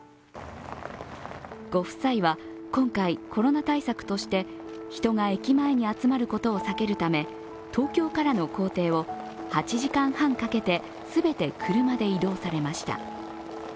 ご夫妻は今回、コロナ対策として、人が駅前に集まることを避けるため東京からの行程を８時間半かけて全て車で移動されました。